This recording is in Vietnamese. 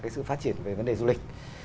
sự phát triển về vấn đề du lịch